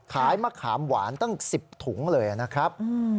เพียง๑๐ถุงเลยนะครับ